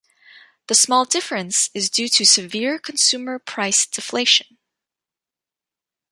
The small difference is due to severe consumer price deflation.